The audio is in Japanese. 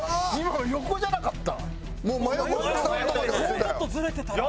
もうちょっとずれてたら。